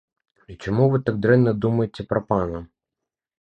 І чаму вы так дрэнна думаеце пра пана?